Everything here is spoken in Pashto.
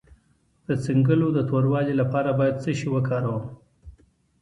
د څنګلو د توروالي لپاره باید څه شی وکاروم؟